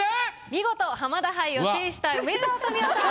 見事浜田杯を制した梅沢富美男さん